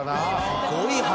すごい話。